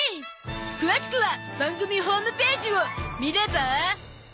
詳しくは番組ホームページを見れば？